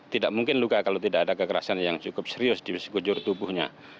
tidak mungkin luka kalau tidak ada kekerasan yang cukup serius di sekujur tubuhnya